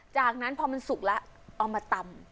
จากนั้นพอมันสุกแล้วเอามาตำ